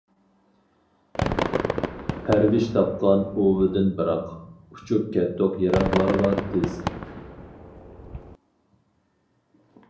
پەرۋىش تاپقان ئۇۋىدىن بىراق، ئۇچۇپ كەتتۇق يىراقلارغا تېز.